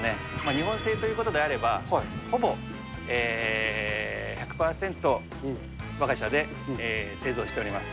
日本製ということであれば、ほぼ１００％、わが社で製造しております。